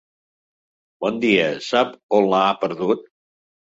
Bon dia, sap on la ha perdut?